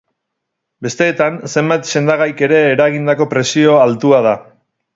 Besteetan, zenbait sendagaik ere eragindako presio altua da.